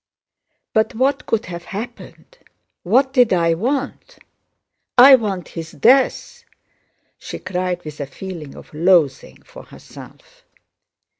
"But what could have happened? What did I want? I want his death!" she cried with a feeling of loathing for herself.